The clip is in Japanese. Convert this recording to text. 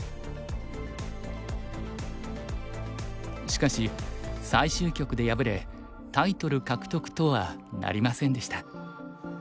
しかし最終局で敗れタイトル獲得とはなりませんでした。